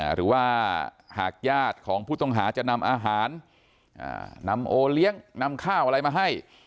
หรือว่าหากญาติของผู้ต้องหาจะนำอาหารนำโอเลี้ยงนำข้าวอะไรมาให้